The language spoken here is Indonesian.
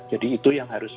jadi itu yang harus